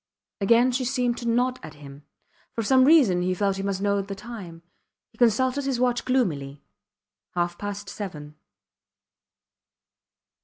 Again she seemed to nod at him. For some reason he felt he must know the time. He consulted his watch gloomily. Half past seven.